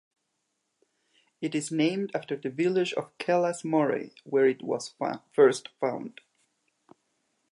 It is named after the village of Kellas, Moray, where it was first found.